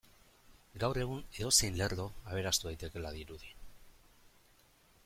Gaur egun edozein lerdo aberastu daitekeela dirudi.